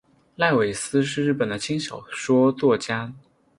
濑尾司是日本的轻小说作家。